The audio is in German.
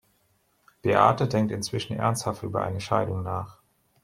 Beate denkt inzwischen ernsthaft über eine Scheidung nach.